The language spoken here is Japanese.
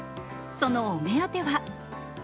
そのお目当ては。